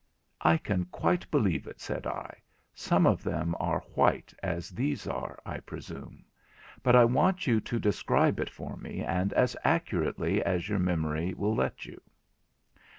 'I can quite believe it,' said I; 'some of them are white as these are, I presume; but I want you to describe it for me, and as accurately as your memory will let you.'